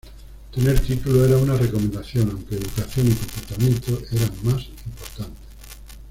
Tener título era una recomendación, aunque, educación y comportamiento eran más importantes.